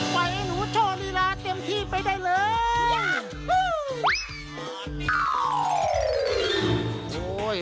ให้หนูโชว์ลีลาเต็มที่ไปได้เลย